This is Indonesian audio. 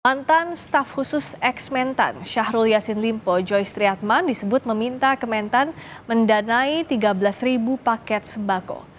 mantan staf khusus ex mentan syahrul yassin limpo joy triatman disebut meminta kementan mendanai tiga belas paket sembako